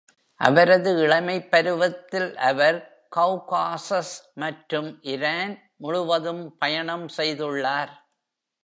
அவரது இளமைப் பருவத்தில் அவர் கௌகாசஸ் மற்றும் இரான் முழுவதும் பயணம் செய்துள்ளார்.